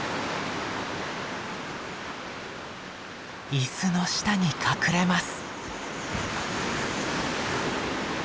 椅子の下に隠れます。